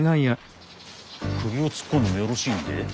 首を突っ込んでよろしいんで？